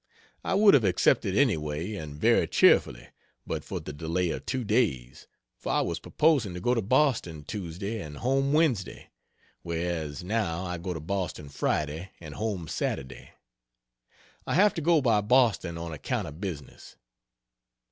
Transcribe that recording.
I would have accepted anyway, and very cheerfully but for the delay of two days for I was purposing to go to Boston Tuesday and home Wednesday; whereas, now I go to Boston Friday and home Saturday. I have to go by Boston on account of business.